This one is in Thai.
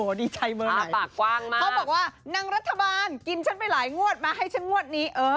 ดีใจเมื่อไหนพ่อบอกว่านางรัฐบาลกินฉันไปหลายงวดมาให้ฉันงวดนี้